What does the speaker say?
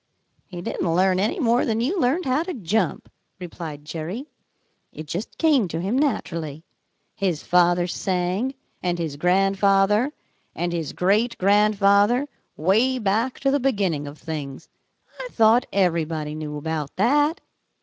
"He didn't learn any more than you learned how to jump," replied Jerry. "It just came to him naturally. His father sang, and his grandfather, and his great grandfather, way back to the beginning of things. I thought everybody knew about that."